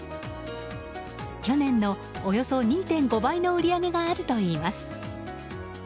去年のおよそ２．５倍の売り上げがあるといいます。